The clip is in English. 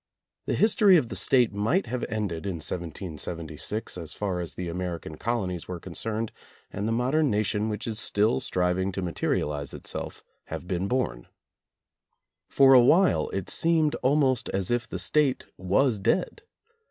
The history of the State might have ended in 1776 as far as the American colonies were concerned, and the modern nation which is still striving to materialize itself have been born. [202 ] For awhile it seemed almost as if the State was dead.